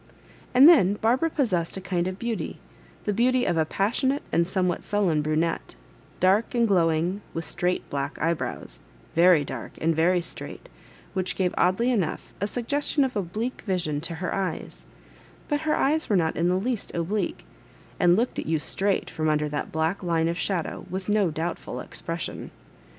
And then Barbara possessed a kind of beauty, the beauty of a passionate and somewhat sullen brunette, dark and glowuig, with straight black eyebrows, very dark and very straight, which gave oddly enough a suggestion of obUque vision to her eyes ; but her eyes were not in the least oblique, and looked at you straight fix>m under that black line of shadow with no doubtful expression.